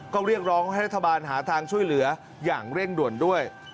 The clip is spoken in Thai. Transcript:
ก็เรียกร้องให้รัฐบาลหาทางช่วยเหลืออย่างเร่งด่วนด้วย